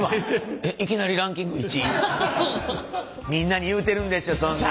みんなに言うてるんでしょそんなん！